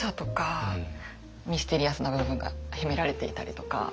ミステリアスな部分が秘められていたりとか。